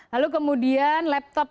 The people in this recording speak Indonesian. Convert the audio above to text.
lalu kemudian laptop